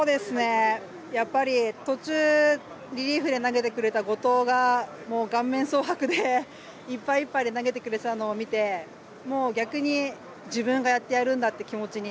途中リリーフで投げてくれた後藤が顔面蒼白でいっぱいいっぱいで投げてくれてたのを見て自分がやってやるんだって気持ちに。